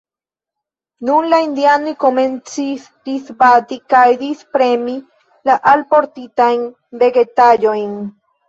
Nun la indianoj komencis disbati kaj dispremi la alportitajn vegetaĵojn.